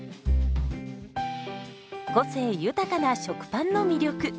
個性豊かな食パンの魅力。